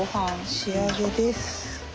仕上げです。